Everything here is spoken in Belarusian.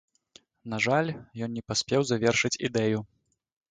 На жаль, ён не паспеў завершыць ідэю.